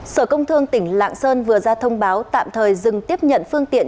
sở công thương tỉnh lạng sơn vừa ra thông báo tạm thời dừng tiếp nhận phương tiện